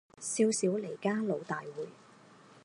少小离家老大回